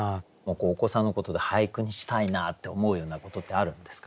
お子さんのことで俳句にしたいなって思うようなことってあるんですか？